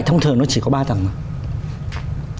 thông thường nó chỉ có ba tầng thôi